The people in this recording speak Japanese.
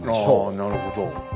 あなるほど。